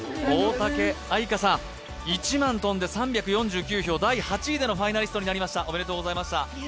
大嵩愛花さん、１万３４９票、第８位でのファイナリストになりました。